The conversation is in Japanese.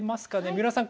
三浦さん